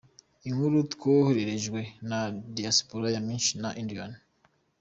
Inkuru twohererejwe na Diaspora ya Michigan na Indiana.